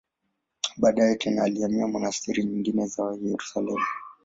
Baadaye tena alihamia monasteri nyingine za Yerusalemu.